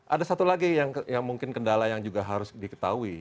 ada satu lagi yang mungkin kendala yang juga harus diketahui